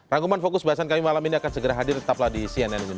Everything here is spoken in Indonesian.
rangkuman fokus bahasan kami malam ini akan segera hadir tetaplah di cnn indonesia